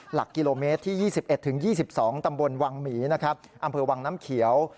หลักกิโลเมตรที่๒๑๒๒ตำบลวังหมีนะครับอำเภอวังน้ำเขียว